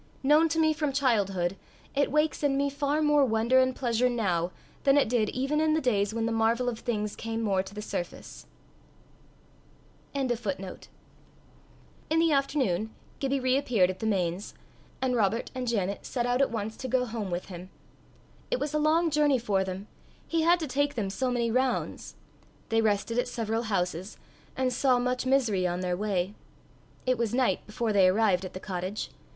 Known to me from childhood, it wakes in me far more wonder and pleasure now, than it did even in the days when the marvel of things came more to the surface. In the afternoon, Gibbie re appeared at the Mains, and Robert and Janet set out at once to go home with him. It was a long journey for them he had to take them so many rounds. They rested at several houses, and saw much misery on their way. It was night before they arrived at the cottage.